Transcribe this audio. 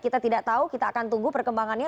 kita tidak tahu kita akan tunggu perkembangannya